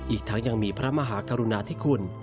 อีกทั้งยังมีพระมหากรุณาธิคุณ